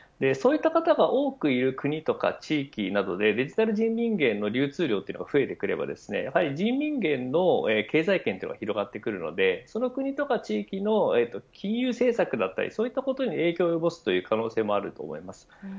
そういった方が多くいる国とか地域などでデジタル人民元の流通量が増えてくれば人民元の経済圏が広がってくるのでその国や地域の金融政策だったりそういったことに影響を及ぼす可能性もあります。